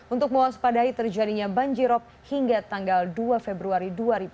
untuk mengospadai terjadinya banjirop hingga tanggal dua februari dua ribu delapan belas